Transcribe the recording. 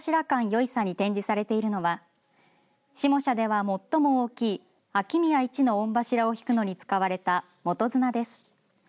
よいさに展示されているのは下社では最も大きい秋宮一の御柱をひくのに使われた元綱です。